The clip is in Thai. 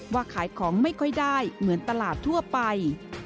ว่าขายของไม่ค่อยได้เหมือนตลาดทั่วไป